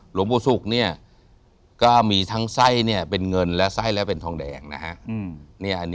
หลวงปู่ศุกร์เนี่ยก็มีทั้งไส้เนี่ยเป็นเงินและไส้และเป็นทองแดงนะฮะ